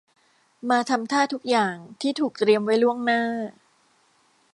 มาทำท่าทุกอย่างที่ถูกเตรียมไว้ล่วงหน้า